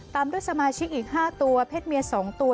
ตามด้วยสมาชิกอีก๕ตัวเพศเมีย๒ตัว